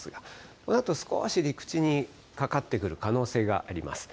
このあと少し陸地にかかってくる可能性があります。